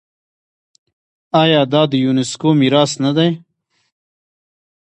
آیا دا د یونیسکو میراث نه دی؟